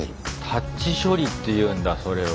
タッチ処理っていうんだそれを。